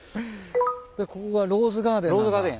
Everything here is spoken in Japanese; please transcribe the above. でここがローズガーデンなんだ。